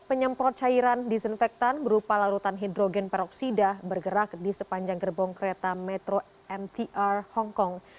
penyemprot cairan disinfektan berupa larutan hidrogen peroksida bergerak di sepanjang gerbong kereta metro mtr hongkong